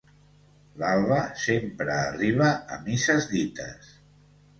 L'Alba sempre arriba a misses dites.